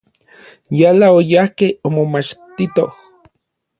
Yala oyajkej omomachtitoj.